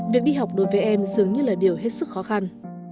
việc đi học đối với em dường như là điều hết sức khó khăn